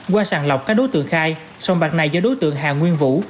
qua sàn lọc các đối tượng khai xong bạc này do đối tượng hà nguyên vũ